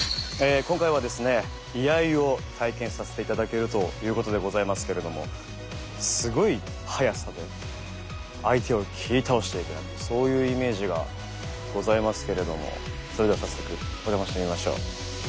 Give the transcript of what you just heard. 今回はですね「居合」を体験させて頂けるということでございますけれどもすごい速さで相手を斬り倒していくなんてそういうイメージがございますけれどもそれでは早速お邪魔してみましょう。